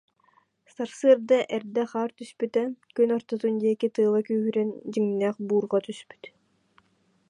Сарсыарда эрдэ хаар түспүтэ, күн ортотун диэки тыала күүһүрэн, дьиҥнээх буурҕа түспүт